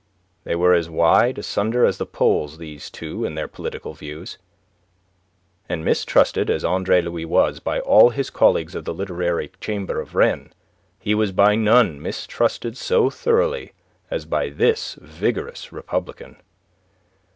They were as wide asunder as the poles, these two, in their political views; and mistrusted as Andre Louis was by all his colleagues of the Literary Chamber of Rennes, he was by none mistrusted so thoroughly as by this vigorous republican.